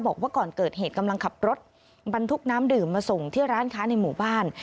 บอกว่าก่อนเกิดเหตุกำลังขับรถบรรทุกน้ำดื่มมาส่งที่ร้านค้าในหมู่บ้าน